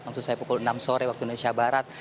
maksud saya pukul enam sore waktu indonesia barat